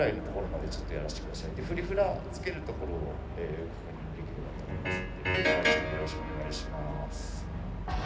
でフリフラつけるところを確認できればと思いますのでよろしくお願いします。